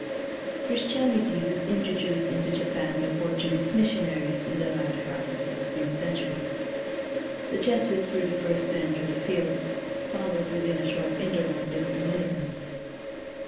Christianity was introduced into Japan by Portuguese missionaries in the latter half of the sixteenth century. The Jesu its were the first to enter the field, fol lowed within a short interval by the Dominicans.